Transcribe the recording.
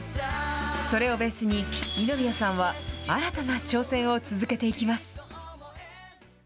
それをベースに、二宮さんは新たな挑戦を続けていきます。